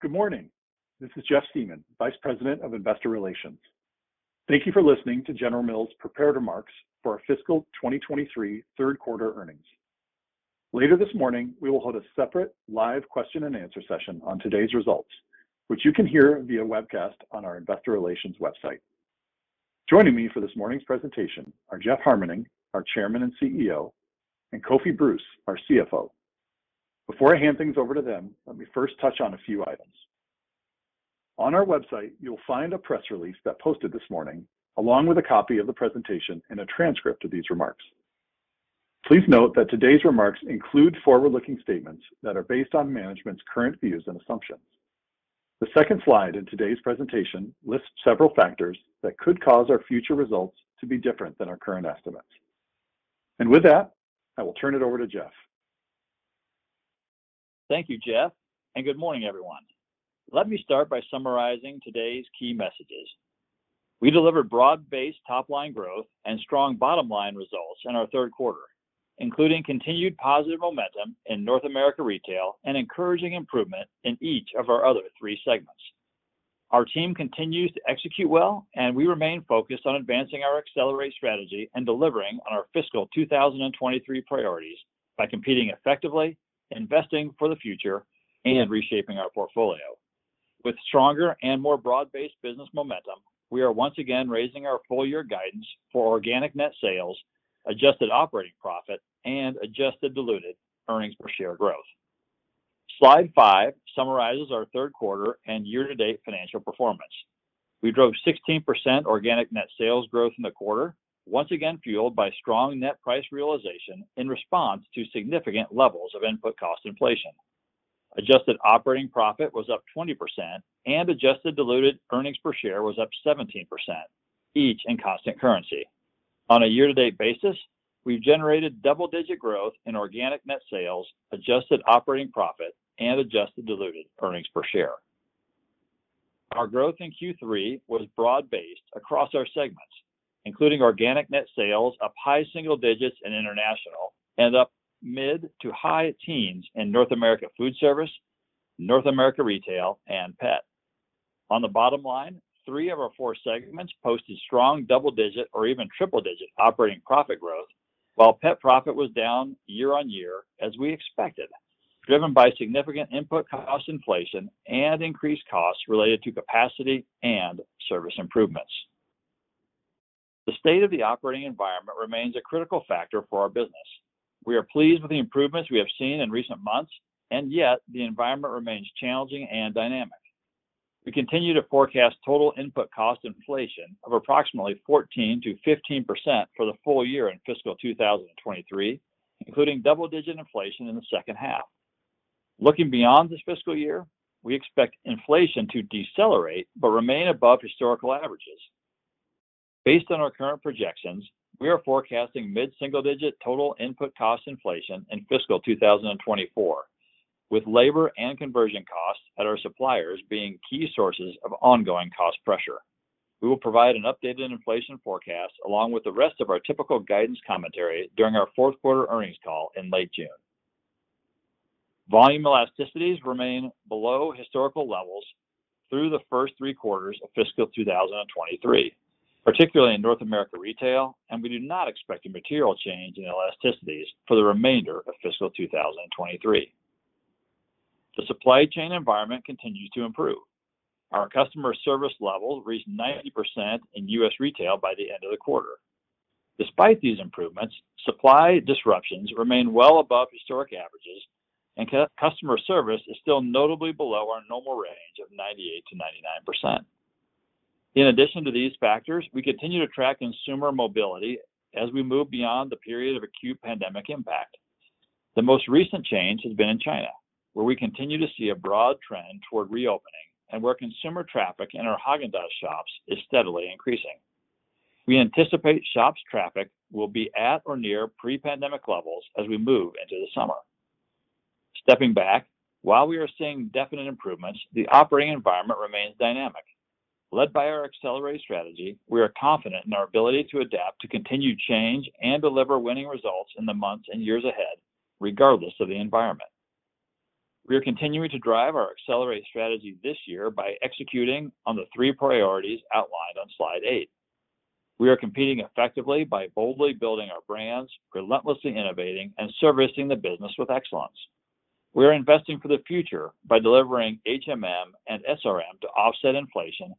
Good morning. This is Jeff Siemon, Vice President of Investor Relations. Thank you for listening to General Mills' prepared remarks for our fiscal 2023 third quarter earnings. Later this morning, we will hold a separate live question and answer session on today's results, which you can hear via webcast on our investor relations website. Joining me for this morning's presentation are Jeff Harmening, our Chairman and CEO, and Kofi Bruce, our CFO. Before I hand things over to them, let me first touch on a few items. On our website, you'll find a press release that posted this morning, along with a copy of the presentation and a transcript of these remarks. Please note that today's remarks include forward-looking statements that are based on management's current views and assumptions. The second slide in today's presentation lists several factors that could cause our future results to be different than our current estimates. With that, I will turn it over to Jeff. Thank you, Jeff Siemon, and good morning, everyone. Let me start by summarizing today's key messages. We delivered broad-based top-line growth and strong bottom-line results in our third quarter, including continued positive momentum in North America Retail and encouraging improvement in each of our other three segments. Our team continues to execute well, and we remain focused on advancing our Accelerate strategy and delivering on our fiscal 2023 priorities by competing effectively, investing for the future, and reshaping our portfolio. With stronger and more broad-based business momentum, we are once again raising our full year guidance for organic net sales, adjusted operating profit, and adjusted diluted earnings per share growth. Slide five summarizes our third quarter and year-to-date financial performance. We drove 16% organic net sales growth in the quarter, once again fueled by strong net price realization in response to significant levels of input cost inflation. Adjusted operating profit was up 20% and adjusted diluted earnings per share was up 17%, each in constant currency. On a year-to-date basis, we've generated double-digit growth in organic net sales, adjusted operating profit, and adjusted diluted earnings per share. Our growth in third quarter was broad-based across our segments, including organic net sales up high single digits in international and up mid to high teens in North America Foodservice, North America Retail, and Pet. On the bottom line, three of our four segments posted strong double-digit or even triple-digit operating profit growth, while Pet profit was down year-on-year, as we expected, driven by significant input cost inflation and increased costs related to capacity and service improvements. The state of the operating environment remains a critical factor for our business. We are pleased with the improvements we have seen in recent months, and yet the environment remains challenging and dynamic. We continue to forecast total input cost inflation of approximately 14% to 15% for the full year in fiscal 2023, including double-digit inflation in the second half. Looking beyond this fiscal year, we expect inflation to decelerate but remain above historical averages. Based on our current projections, we are forecasting mid-single digit total input cost inflation in fiscal 2024, with labor and conversion costs at our suppliers being key sources of ongoing cost pressure. We will provide an updated inflation forecast along with the rest of our typical guidance commentary during our fourth quarter earnings call in late June. Volume elasticities remain below historical levels through the first three quarters of fiscal 2023, particularly in North America Retail, and we do not expect a material change in elasticities for the remainder of fiscal 2023. The supply chain environment continues to improve. Our customer service level reached 90% in US retail by the end of the quarter. Despite these improvements, supply disruptions remain well above historic averages and customer service is still notably below our normal range of 98% to 99%. In addition to these factors, we continue to track consumer mobility as we move beyond the period of acute pandemic impact. The most recent change has been in China, where we continue to see a broad trend toward reopening and where consumer traffic in our Häagen-Dazs shops is steadily increasing. We anticipate shops traffic will be at or near pre-pandemic levels as we move into the summer. Stepping back, while we are seeing definite improvements, the operating environment remains dynamic. Led by our Accelerate strategy, we are confident in our ability to adapt to continued change and deliver winning results in the months and years ahead, regardless of the environment. We are continuing to drive our Accelerate strategy this year by executing on the three priorities outlined on slide eight. We are competing effectively by boldly building our brands, relentlessly innovating, and servicing the business with excellence. We are investing for the future by delivering HMM and SRM to offset inflation,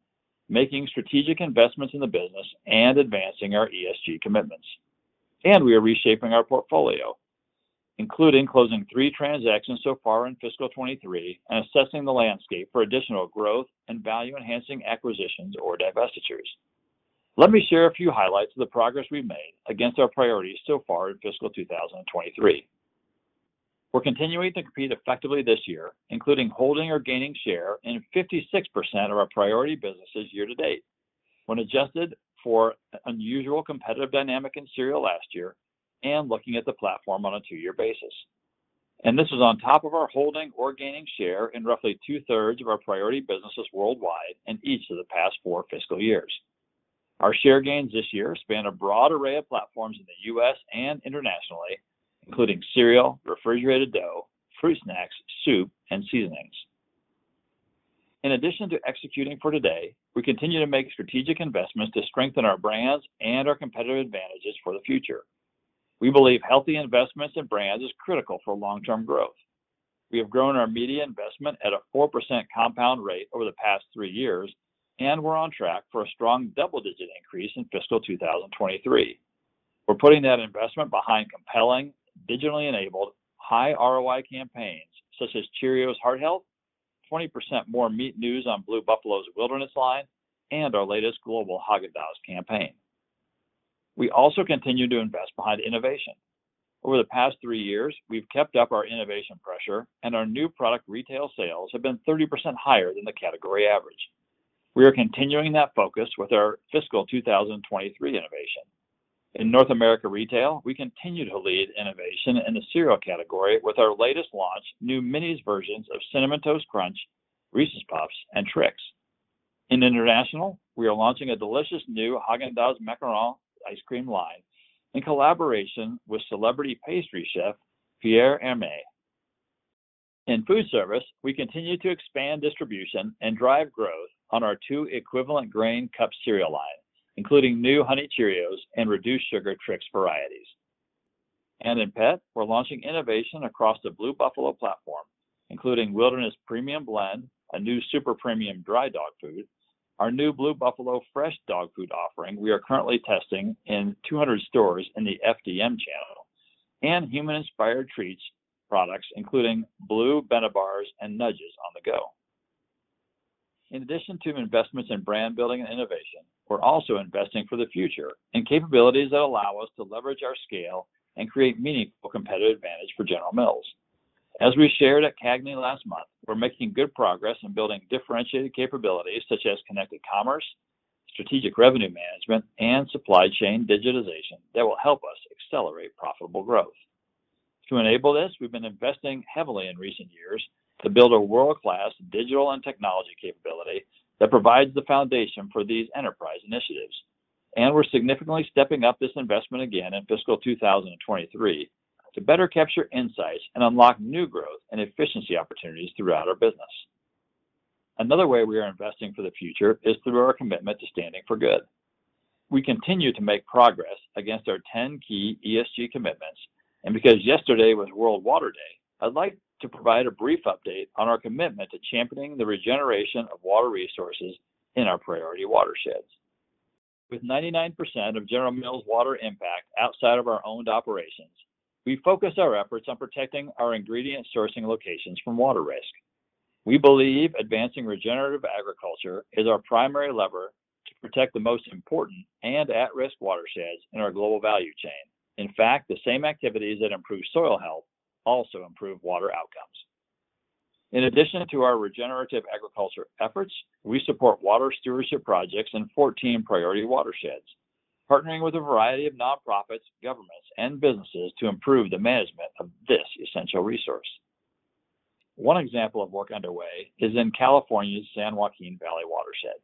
making strategic investments in the business and advancing our ESG commitments. We are reshaping our portfolio, including closing three transactions so far in fiscal 2023 and assessing the landscape for additional growth and value enhancing acquisitions or divestitures. Let me share a few highlights of the progress we've made against our priorities so far in fiscal 2023. We're continuing to compete effectively this year, including holding or gaining share in 56% of our priority businesses year to date. When adjusted for unusual competitive dynamic in cereal last year and looking at the platform on a two-year basis. This is on top of our holding or gaining share in roughly 2/3 of our priority businesses worldwide in each of the past four fiscal years. Our share gains this year span a broad array of platforms in the US and internationally, including cereal, refrigerated dough, fruit snacks, soup, and seasonings. In addition to executing for today, we continue to make strategic investments to strengthen our brands and our competitive advantages for the future. We believe healthy investments in brands is critical for long-term growth. We have grown our media investment at a 4% compound rate over the past three years. We're on track for a strong double-digit increase in fiscal 2023. We're putting that investment behind compelling, digitally enabled, high ROI campaigns, such as Cheerios Heart Health, 20% more meat news on Blue Buffalo's Wilderness line, and our latest global Häagen-Dazs campaign. We also continue to invest behind innovation. Over the past three years, we've kept up our innovation pressure. Our new product retail sales have been 30% higher than the category average. We are continuing that focus with our fiscal 2023 innovation. In North America Retail, we continue to lead innovation in the cereal category with our latest launch, new minis versions of Cinnamon Toast Crunch, Reese's Puffs, and Trix. In international, we are launching a delicious new Häagen-Dazs macaron ice cream line in collaboration with celebrity pastry chef Pierre Hermé. In food service, we continue to expand distribution and drive growth on our two equivalent grain cup cereal line, including new Honey Nut Cheerios and reduced sugar Trix varieties. In pet, we're launching innovation across the Blue Buffalo platform, including Wilderness Premier Blend, a new super premium dry dog food, our new Blue Buffalo fresh dog food offering we are currently testing in 200 stores in the FDM channel, and human-inspired treats products, including BLUE BeneBars and Nudges On-The-Go. In addition to investments in brand building and innovation, we're also investing for the future in capabilities that allow us to leverage our scale and create meaningful competitive advantage for General Mills. As we shared at CAGNY last month, we're making good progress in building differentiated capabilities such as connected commerce, strategic revenue management, and supply chain digitization that will help us accelerate profitable growth. To enable this, we've been investing heavily in recent years to build a world-class digital and technology capability that provides the foundation for these enterprise initiatives. We're significantly stepping up this investment again in fiscal 2023 to better capture insights and unlock new growth and efficiency opportunities throughout our business. Another way we are investing for the future is through our commitment to standing for good. We continue to make progress against our 10 key ESG commitments, and because yesterday was World Water Day, I'd like to provide a brief update on our commitment to championing the regeneration of water resources in our priority watersheds. With 99% of General Mills' water impact outside of our owned operations, we focus our efforts on protecting our ingredient sourcing locations from water risk. We believe advancing regenerative agriculture is our primary lever to protect the most important and at-risk watersheds in our global value chain. In fact, the same activities that improve soil health also improve water outcomes. In addition to our regenerative agriculture efforts, we support water stewardship projects in 14 priority watersheds, partnering with a variety of nonprofits, governments, and businesses to improve the management of this essential resource. One example of work underway is in California's San Joaquin Valley Watershed.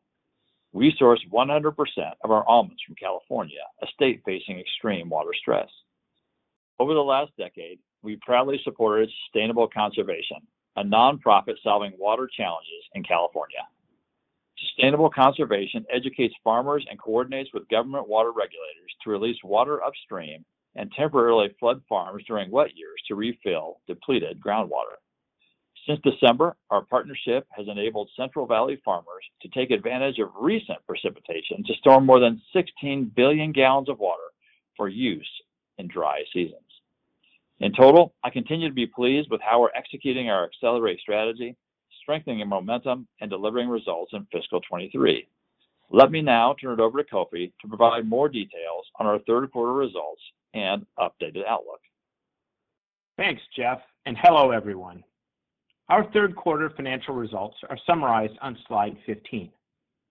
We source 100% of our almonds from California, a state facing extreme water stress. Over the last decade, we proudly supported Sustainable Conservation, a nonprofit solving water challenges in California. Sustainable Conservation educates farmers and coordinates with government water regulators to release water upstream and temporarily flood farms during wet years to refill depleted groundwater. Since December, our partnership has enabled Central Valley farmers to take advantage of recent precipitation to store more than 16 billion gallons of water for use in dry seasons. In total, I continue to be pleased with how we're executing our Accelerate strategy, strengthening momentum, and delivering results in fiscal 2023. Let me now turn it over to Kofi to provide more details on our third quarter results and updated outlook. Thanks, Jeff, and hello, everyone. Our third quarter financial results are summarized on slide 15.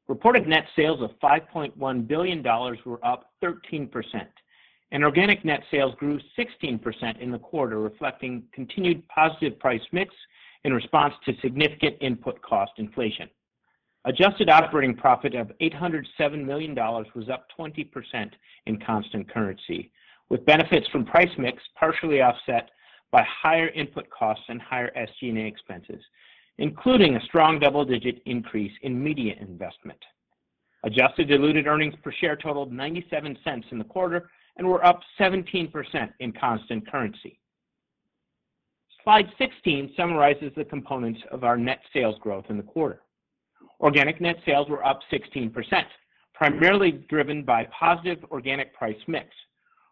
Reported net sales of $5.1 billion were up 13%, and organic net sales grew 16% in the quarter, reflecting continued positive price mix in response to significant input cost inflation. Adjusted operating profit of $807 million was up 20% in constant currency, with benefits from price mix partially offset by higher input costs and higher SG&A expenses, including a strong double-digit increase in media investment. Adjusted diluted earnings per share totaled $0.97 in the quarter and were up 17% in constant currency. Slide 16 summarizes the components of our net sales growth in the quarter. Organic net sales were up 16%, primarily driven by positive organic price mix.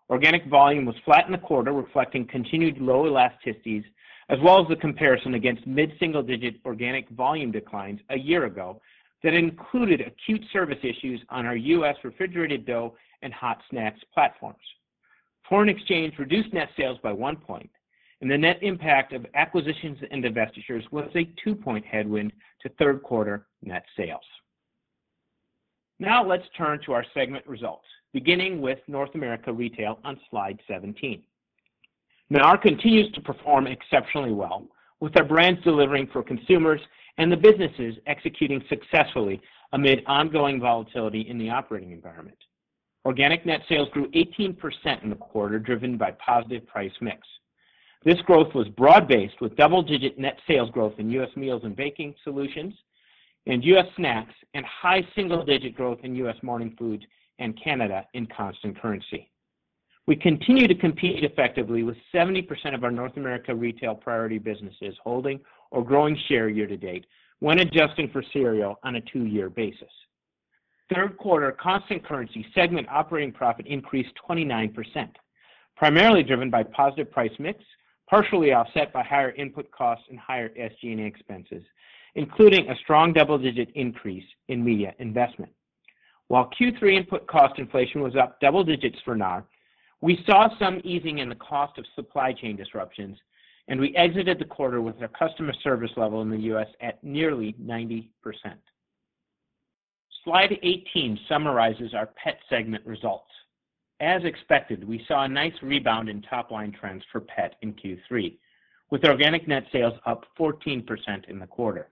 Organic volume was flat in the quarter, reflecting continued low elasticities, as well as the comparison against mid-single-digit organic volume declines a year ago that included acute service issues on our US refrigerated dough and hot snacks platforms. Foreign exchange reduced net sales by one point, and the net impact of acquisitions and divestitures was a two-point headwind to third quarter net sales. Now let's turn to our segment results, beginning with North America Retail on slide 17. NAR continues to perform exceptionally well with our brands delivering for consumers and the businesses executing successfully amid ongoing volatility in the operating environment. Organic net sales grew 18% in the quarter, driven by positive price mix. This growth was broad-based with double-digit net sales growth in US Meals & Baking Solutions and US Snacks and high single-digit growth in US Morning Foods and Canada in constant currency. We continue to compete effectively with 70% of our North America Retail priority businesses holding or growing share year-to-date when adjusting for cereal on a two-year basis. Third quarter constant currency segment operating profit increased 29%, primarily driven by positive price mix, partially offset by higher input costs and higher SG&A expenses, including a strong double-digit increase in media investment. Third quarter input cost inflation was up double digits for NAR, we saw some easing in the cost of supply chain disruptions, and we exited the quarter with our customer service level in the US at nearly 90%. Slide 18 summarizes our pet segment results. As expected, we saw a nice rebound in top-line trends for pet in third quarter, with organic net sales up 14% in the quarter.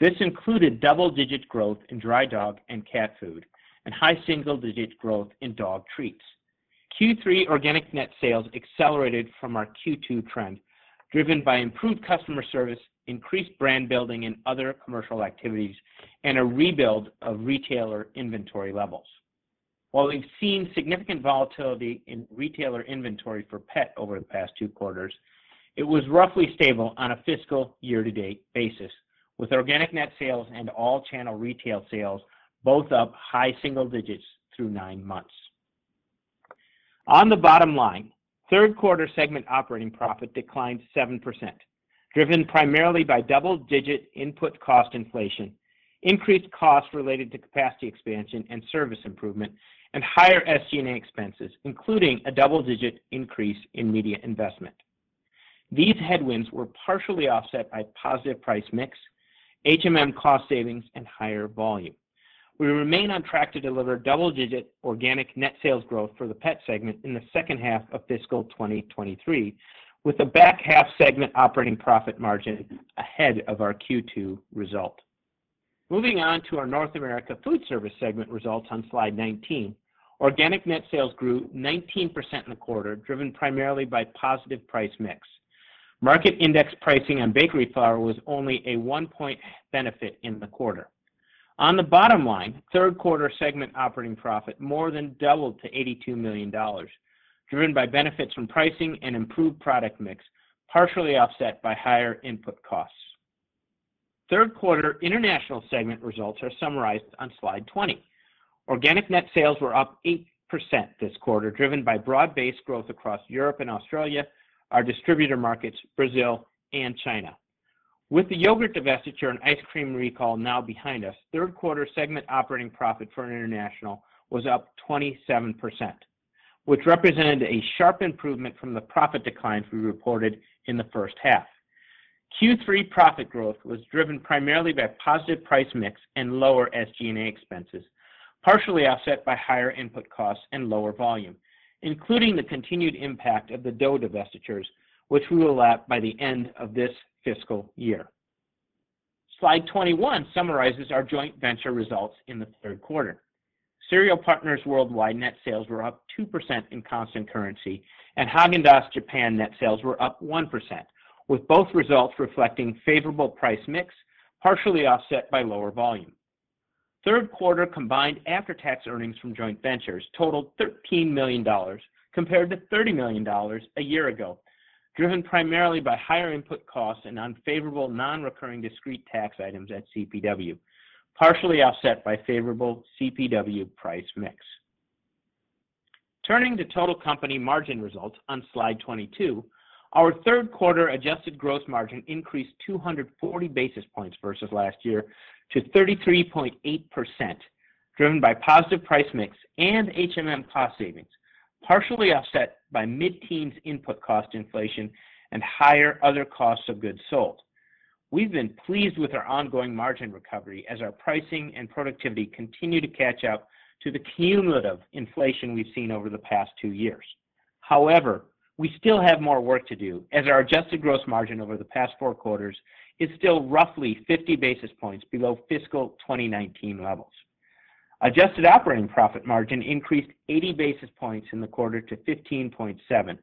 This included double-digit growth in dry dog and cat food and high single-digit growth in dog treats. Third quarter organic net sales accelerated from our second quarter trend, driven by improved customer service, increased brand building and other commercial activities, and a rebuild of retailer inventory levels. While we've seen significant volatility in retailer inventory for pet over the past two quarters, it was roughly stable on a fiscal year-to-date basis, with organic net sales and all channel retail sales both up high single digits through nine months. On the bottom line, third quarter segment operating profit declined 7%, driven primarily by double-digit input cost inflation, increased costs related to capacity expansion and service improvement, and higher SG&A expenses, including a double-digit increase in media investment. These headwinds were partially offset by positive price mix, HMM cost savings, and higher volume. We remain on track to deliver double-digit organic net sales growth for the pet segment in the second half of fiscal 2023, with a back half segment operating profit margin ahead of our second quarter result. Moving on to our North America Foodservice segment results on slide 19, organic net sales grew 19% in the quarter, driven primarily by positive price mix. Market index pricing on bakery flour was only a one-point benefit in the quarter. On the bottom line, third quarter segment operating profit more than doubled to $82 million, driven by benefits from pricing and improved product mix, partially offset by higher input costs. Third quarter international segment results are summarized on slide 20. Organic net sales were up 8% this quarter, driven by broad-based growth across Europe and Australia, our distributor markets, Brazil, and China. With the yogurt divestiture and ice cream recall now behind us, third quarter segment operating profit for International was up 27%, which represented a sharp improvement from the profit declines we reported in the first half. third quarter profit growth was driven primarily by positive price mix and lower SG&A expenses, partially offset by higher input costs and lower volume, including the continued impact of the dough divestitures, which we will lap by the end of this fiscal year. Slide 21 summarizes our joint venture results in the third quarter. Cereal Partners Worldwide net sales were up 2% in constant currency, and Häagen-Dazs Japan net sales were up 1%, with both results reflecting favorable price mix, partially offset by lower volume. Third quarter combined after-tax earnings from joint ventures totaled $13 million compared to $30 million a year ago, driven primarily by higher input costs and unfavorable non-recurring discrete tax items at CPW, partially offset by favorable CPW price mix. Turning to total company margin results on slide 22, our third quarter adjusted gross margin increased 240 basis points versus last year to 33.8%, driven by positive price mix and HMM cost savings, partially offset by mid-teens input cost inflation and higher other costs of goods sold. We've been pleased with our ongoing margin recovery as our pricing and productivity continue to catch up to the cumulative inflation we've seen over the past two years. However, we still have more work to do as our adjusted gross margin over the past four quarters is still roughly 50 basis points below fiscal 2019 levels. Adjusted operating profit margin increased 80 basis points in the quarter to 15.7%,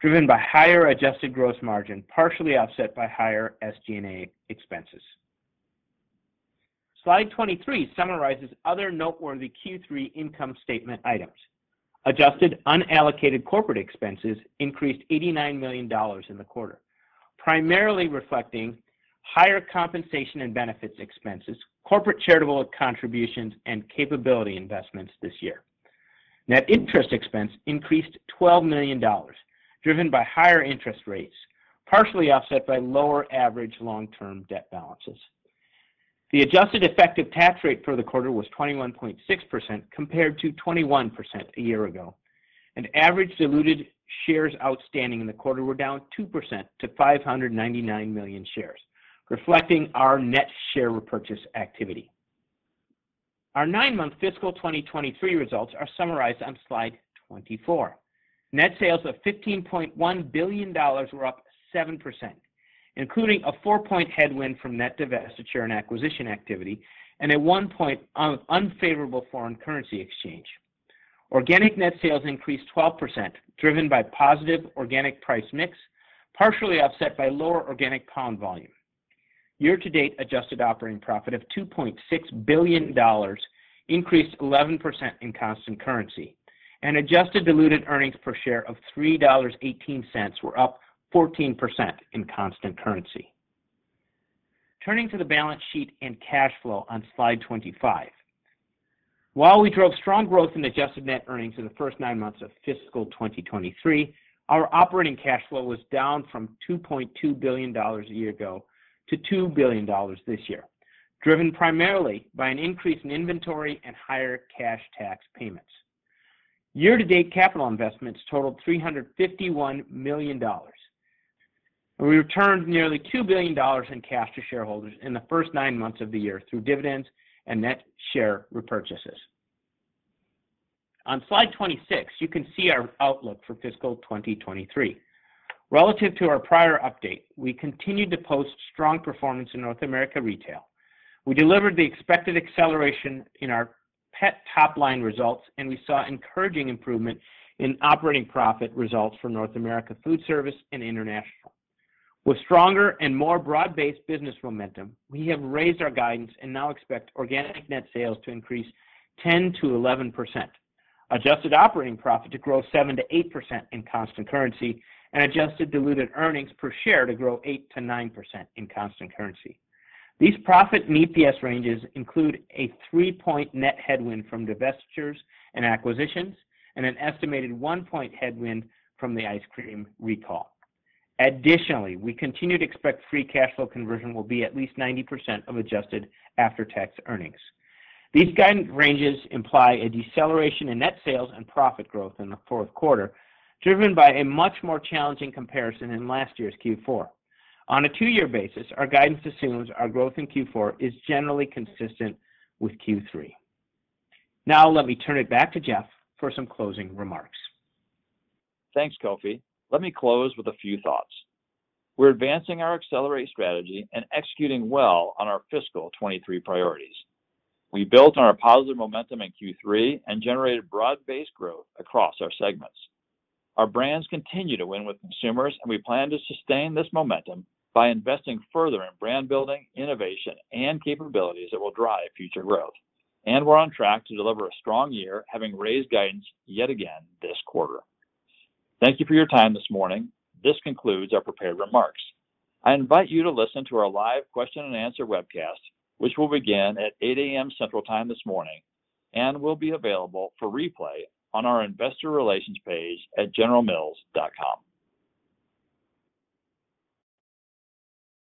driven by higher adjusted gross margin, partially offset by higher SG&A expenses. Slide 23 summarizes other noteworthy third quarter income statement items. Adjusted unallocated corporate expenses increased $89 million in the quarter, primarily reflecting higher compensation and benefits expenses, corporate charitable contributions, and capability investments this year. Net interest expense increased $12 million, driven by higher interest rates, partially offset by lower average long-term debt balances. The adjusted effective tax rate for the quarter was 21.6% compared to 21% a year ago, and average diluted shares outstanding in the quarter were down 2% to 599 million shares, reflecting our net share repurchase activity. Our nine-month fiscal 2023 results are summarized on slide 24. Net sales of $15.1 billion were up 7%, including a four-point headwind from net divestiture and acquisition activity and a one-point unfavorable foreign currency exchange. Organic net sales increased 12%, driven by positive organic price mix, partially offset by lower organic pound volume. Year-to-date adjusted operating profit of $2.6 billion increased 11% in constant currency and adjusted diluted earnings per share of $3.18 were up 14% in constant currency. Turning to the balance sheet and cash flow on slide 25. While we drove strong growth in adjusted net earnings in the first nine months of fiscal 2023, our operating cash flow was down from $2.2 billion a year ago to $2 billion this year, driven primarily by an increase in inventory and higher cash tax payments. Year-to-date capital investments totaled $351 million. We returned nearly $2 billion in cash to shareholders in the first nine months of the year through dividends and net share repurchases. On slide 26, you can see our outlook for fiscal 2023. Relative to our prior update, we continued to post strong performance in North America Retail. We delivered the expected acceleration in our pet top-line results. We saw encouraging improvement in operating profit results from North America Foodservice and International. With stronger and more broad-based business momentum, we have raised our guidance and now expect organic net sales to increase 10% to 11%, adjusted operating profit to grow 7% to 8% in constant currency. Adjusted diluted earnings per share to grow 8% to 9% in constant currency. These profit and EPS ranges include a three-point net headwind from divestitures and acquisitions and an estimated one-point headwind from the ice cream recall. Additionally, we continue to expect free cash flow conversion will be at least 90% of adjusted after-tax earnings. These guidance ranges imply a deceleration in net sales and profit growth in the fourth quarter, driven by a much more challenging comparison in last year's fourth quarter. On a two-year basis, our guidance assumes our growth in fourth quarter is generally consistent with third quarter. Now let me turn it back to Jeff for some closing remarks. Thanks, Kofi. Let me close with a few thoughts. We're advancing our Accelerate strategy and executing well on our fiscal 2023 priorities. We built on our positive momentum in third quarter and generated broad-based growth across our segments. Our brands continue to win with consumers, and we plan to sustain this momentum by investing further in brand building, innovation, and capabilities that will drive future growth. We're on track to deliver a strong year, having raised guidance yet again this quarter. Thank you for your time this morning. This concludes our prepared remarks. I invite you to listen to our live question and answer webcast, which will begin at 8:00AM Central Time this morning and will be available for replay on our investor relations page at generalmills.com.